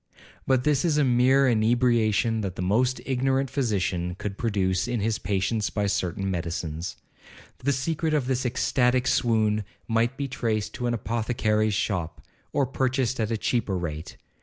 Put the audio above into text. But this is a mere inebriation that the most ignorant physician could produce in his patients by certain medicines. The secret of this ecstatic swoon might be traced to an apothecary's shop, or purchased at a cheaper rate.